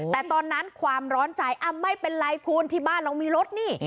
แต่ตอนนั้นความร้อนใจไม่เป็นไรคุณที่บ้านเรามีรถนี่